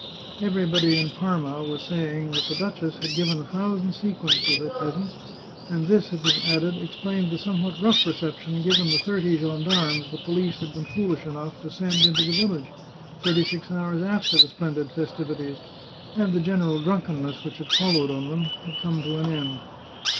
Everybody in Parma was saying that the duchess had given a thousand sequins to her peasants, and this, it was added, explained the somewhat rough reception given the thirty gendarmes the police had been foolish enough to send into the village, thirty six hours after the splendid festivities, and the general drunkenness which had followed on them, had come to an end.